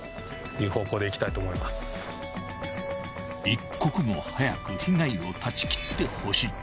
［一刻も早く被害を断ち切ってほしい］